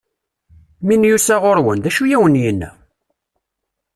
Mi n-yusa ɣur-wen, d acu i awen-yenna?